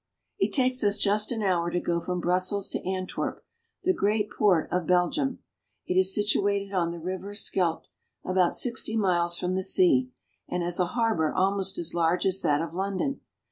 It takes us just an hour to go from Brussels to Antwerp, the great port of Belgium. It is situated on the river Scheldt (skelt), about sixty miles from the sea, and has a harbor almost as large as that of London.